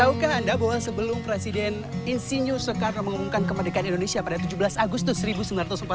tahukah anda bahwa sebelum presiden insinyur soekarno mengumumkan kemerdekaan indonesia pada tujuh belas agustus seribu sembilan ratus empat puluh lima